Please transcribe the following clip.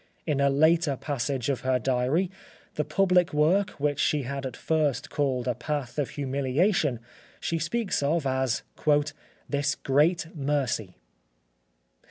In a later passage of her diary, the public work which she had at first called a path of humiliation she speaks of as "this great mercy."